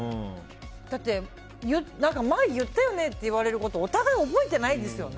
だって、前言ったよね？って言われることお互い覚えてないですよね。